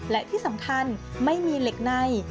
และที่สำคัญไม่มีเหล็กใน